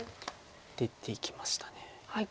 出ていきました。